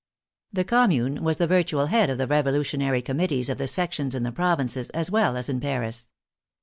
The Commune was the virtual head of the revolution ary committees of the sections in the provinces as well as in Paris.